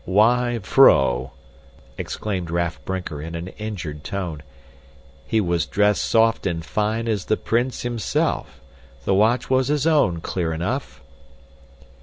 "Why, vrouw," exclaimed Raff Brinker in an injured tone. "He was dressed soft and fine as the prince himself. The watch was his own, clear enough."